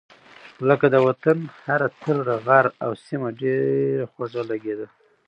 لکه : د وطن هره تړه غر او سيمه ډېره خوږه لګېده.